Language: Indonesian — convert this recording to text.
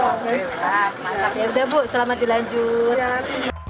ya udah bu selamat dilanjut